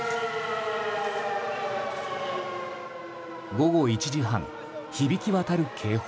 午後１時半、響き渡る警報。